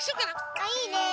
あいいね。